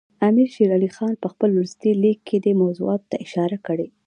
امیر شېر علي خان په خپل وروستي لیک کې دې موضوعاتو ته اشاره کړې.